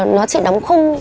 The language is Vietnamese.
nó chỉ đóng khung